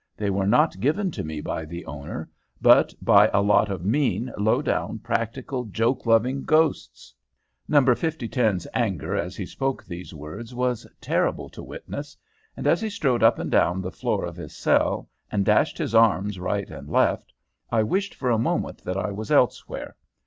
They were not given to me by the owner, but by a lot of mean, low down, practical joke loving ghosts." Number 5010's anger as he spoke these words was terrible to witness, and as he strode up and down the floor of his cell and dashed his arms right and left, I wished for a moment that I was elsewhere.